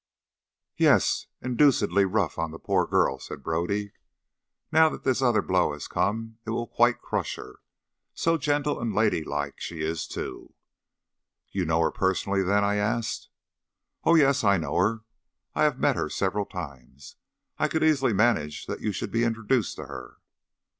"Yes, and deucedly rough on the poor girl," said Brodie. "Now that this other blow has come it will quite crush her. So gentle and ladylike she is too!" "You know her personally, then!" I asked. "Oh, yes, I know her. I have met her several times. I could easily manage that you should be introduced to her."